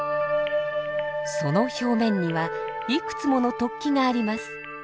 その表面にはいくつもの突起があります。